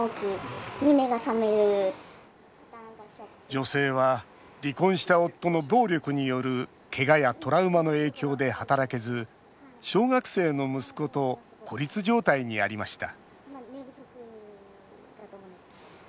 女性は離婚した夫の暴力によるけがやトラウマの影響で働けず小学生の息子と孤立状態にありました